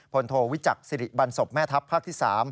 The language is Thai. โทวิจักษ์สิริบันศพแม่ทัพภาคที่๓